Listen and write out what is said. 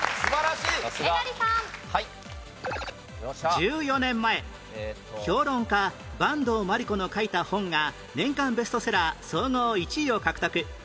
１４年前評論家坂東眞理子の書いた本が年間ベストセラー総合１位を獲得